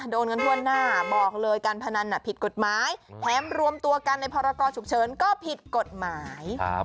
โดนกันทั่วหน้าบอกเลยการพนันผิดกฎหมายแถมรวมตัวกันในพรกรฉุกเฉินก็ผิดกฎหมาย